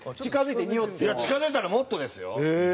近付いたらもっとですよ。